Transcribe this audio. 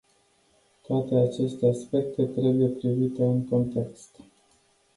Toate aceste aspecte trebuie privite în context.